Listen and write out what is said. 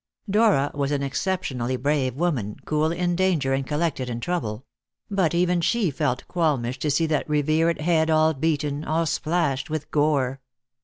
Dora was an exceptionally brave woman, cool in danger and collected in trouble; but even she felt qualmish to see that revered head all beaten, all splashed with gore.